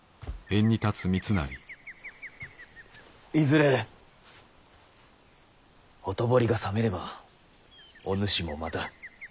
いずれほとぼりが冷めればお主もまた。